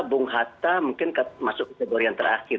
bung hatta mungkin masuk ke kategorian terakhir